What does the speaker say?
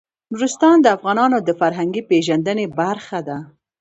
نورستان د افغانانو د فرهنګي پیژندنې برخه ده.